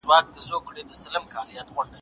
الله عدالت خوښوي.